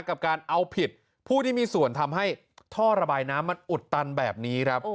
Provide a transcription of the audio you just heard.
กับการเอาผิดผู้ที่มีส่วนทำให้ท่อระบายน้ำมันอุดตันแบบนี้ครับ